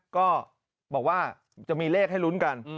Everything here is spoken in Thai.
ก็บอกว่าจะมีเลขให้ลุ้นกัน